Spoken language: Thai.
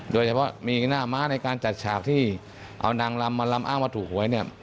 โดยเฉพาะมีหน้าม้าในการจัดฉากที่เอานางลำมาลำอ้างว่าถูกหวยเนี่ย